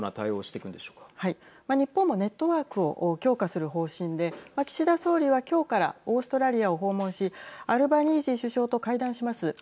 日本もネットワークを強化する方針で岸田総理は今日からオーストラリアを訪問しアルバニージー首相と会談します。